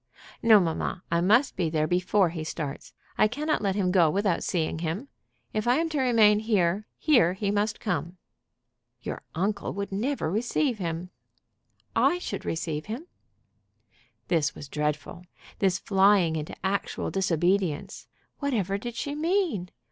"No, mamma. I must be there before he starts. I cannot let him go without seeing him. If I am to remain here, here he must come." "Your uncle would never receive him." "I should receive him." This was dreadful this flying into actual disobedience. Whatever did she mean?